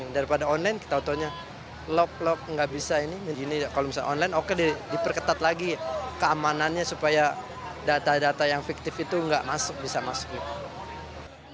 daripada online kita tahunya log lok nggak bisa ini kalau misalnya online oke diperketat lagi keamanannya supaya data data yang fiktif itu nggak masuk bisa masuk